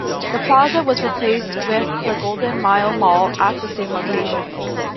The plaza was replaced with the Golden Mile Mall at the same location.